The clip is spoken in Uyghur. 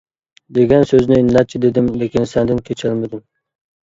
دېگەن سۆزنى نەچچە دېدىم، لېكىن سەندىن كېچەلمىدىم.